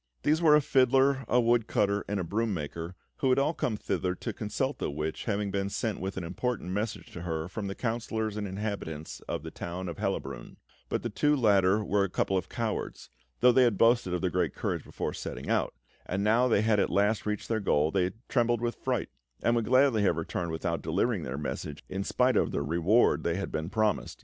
These were a fiddler, a woodcutter, and a broom maker, who had all come thither to consult the witch, having been sent with an important message to her from the councillors and inhabitants of the town of Hellabrunn; but the two latter were a couple of cowards though they had boasted of their great courage before setting out and now that they had at last reached their goal, they trembled with fright, and would gladly have returned without delivering their message, in spite of the reward they had been promised.